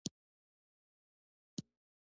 نړیوال انزوا اقتصاد فلج کوي.